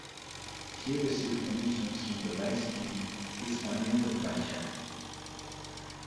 He received commissions from the vice-king Ismail Pasha.